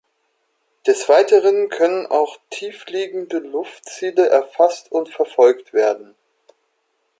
Des Weiteren können auch tieffliegende Luftziele erfasst und verfolgt werden.